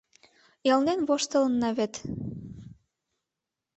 Элнен воштылынна вет!